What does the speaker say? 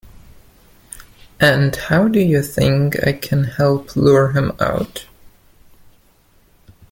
And how do you think I can help lure him out?